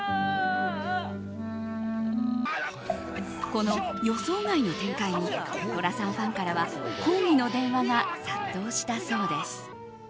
この予想外の展開に寅さんファンからは抗議の電話が殺到したそうです。